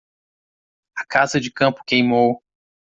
A casa de campo queimou.